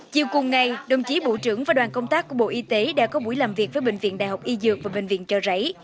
chiều cùng ngày đồng chí bộ trưởng và đoàn công tác của bộ y tế đã có buổi làm việc với bệnh viện đại học y dược và bệnh viện trợ rẫy